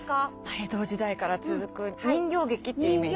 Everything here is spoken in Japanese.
「江戸時代から続く人形劇」っていうイメージです。